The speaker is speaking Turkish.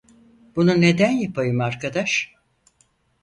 Bunu neden yapayım arkadaş?